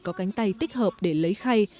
có cánh tay tích hợp để lấy khay